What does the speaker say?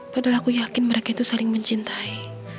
padahal aku yakin mereka itu saling mencintai